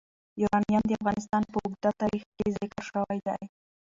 یورانیم د افغانستان په اوږده تاریخ کې ذکر شوی دی.